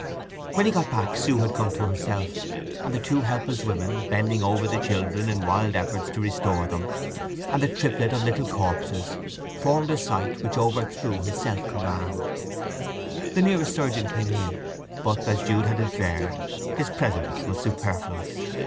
When he got back Sue had come to herself, and the two helpless women, bending over the children in wild efforts to restore them, and the triplet of little corpses, formed a sight which overthrew his self command. The nearest surgeon came in, but, as Jude had inferred, his presence was superfluous.